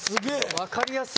分かりやす！